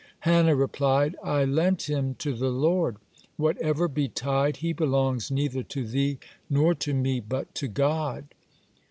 Hannah replied: "I lent him to the Lord. Whatever betide, he belongs neither to thee nor to me, but to God."